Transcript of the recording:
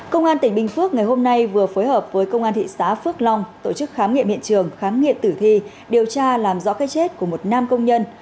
công an tỉnh bình phước ngày hôm nay vừa phối hợp với công an thị xã phước long tổ chức khám nghiệm hiện trường khám nghiệm tử thi điều tra làm rõ cái chết của một nam công nhân